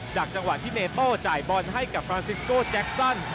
จังหวะที่เนโต้จ่ายบอลให้กับฟรานซิสโก้แจ็คซัน